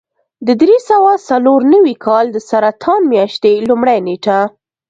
د درې سوه څلور نوي کال د سرطان میاشتې لومړۍ نېټه.